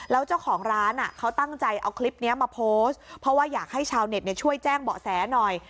แล้วเจ้าของร้านเขาตั้งใจเอาคลิปนี้มาโพสต์เพราะว่าอยากให้ชาวเน็ตช่วยแจ้งเบาะแสหน่อย